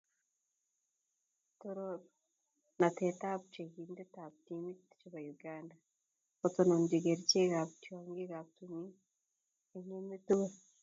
Torornatetab cheng'ikab timin chebo Uganda kotononchi kertikab tyong'ik taman eng' emet komugul.